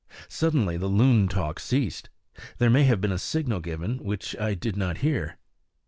Suddenly the loon talk ceased. There may have been a signal given, which I did not hear.